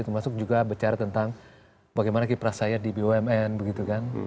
masuk juga bicara tentang bagaimana kiprah saya di bumn